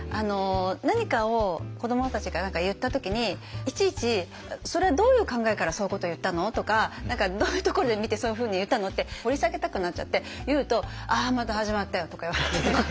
何かを子どもたちが言った時にいちいち「それはどういう考えからそういうこと言ったの？」とか「どういうところで見てそういうふうに言ったの？」って掘り下げたくなっちゃって言うと「ああまた始まったよ」とか言われて。